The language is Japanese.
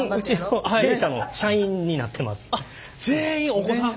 全員お子さん。